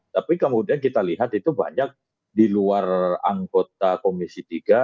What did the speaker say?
tapi kemudian kita lihat itu banyak di luar anggota komisi tiga